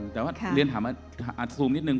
แต่ว่าเรียนถามอัดซูมนิดนึ